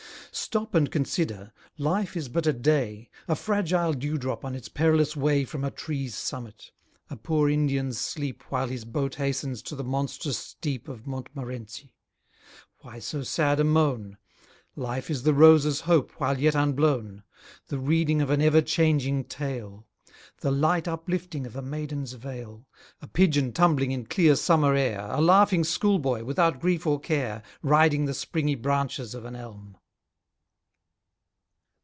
Stop and consider! life is but a day; A fragile dew drop on its perilous way From a tree's summit; a poor Indian's sleep While his boat hastens to the monstrous steep Of Montmorenci. Why so sad a moan? Life is the rose's hope while yet unblown; The reading of an ever changing tale; The light uplifting of a maiden's veil; A pigeon tumbling in clear summer air; A laughing school boy, without grief or care, Riding the springy branches of an elm.